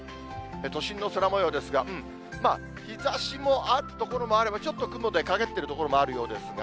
都心の空もようですが、まあ日ざしもある所もあれば、ちょっと雲でかげっている所もあるようですが。